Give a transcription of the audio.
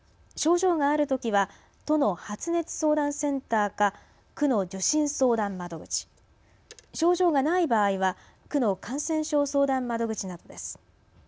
症状があるときは都の発熱相談センターか区の受診相談窓口、症状がない場合は区の感染症相談窓口などです。